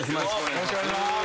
よろしくお願いします。